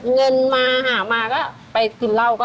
เงินมาหามาก็ไปกินเหล้าก็